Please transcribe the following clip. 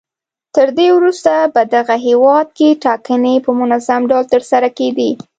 تر دې وروسته په دغه هېواد کې ټاکنې په منظم ډول ترسره کېدې.